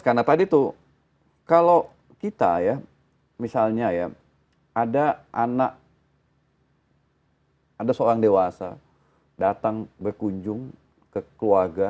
karena tadi tuh kalau kita ya misalnya ya ada anak ada seorang dewasa datang berkunjung ke keluarga